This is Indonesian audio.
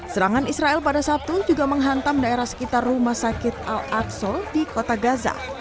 serangan israel pada sabtu juga menghantam daerah sekitar rumah sakit al aqsa di kota gaza